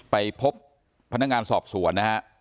ไปพบพนักงานสอบสวนนะฮะ